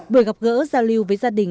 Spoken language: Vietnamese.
buổi gặp gỡ giao lưu với gia đình